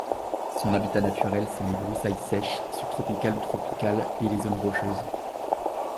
Son habitat naturel sont les broussailles sèches subtropicales, ou tropicales, et les zones rocheuses.